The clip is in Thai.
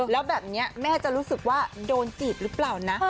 แล้วแบบนี้แม่จะรู้สึกว่าโดนจีบหรือเปล่านะ